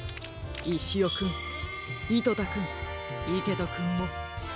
いしおくんいとたくんいけとくんも。